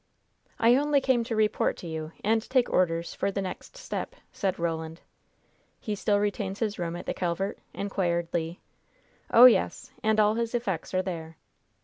"I only came to report to you and take orders for the next step," said Roland. "He still retains his room at the Calvert?" inquired Le. "Oh, yes! And all his effects are there."